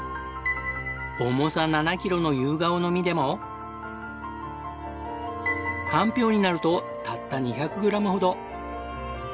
重さ７キロのユウガオの実でもかんぴょうになるとたった２００グラムほど。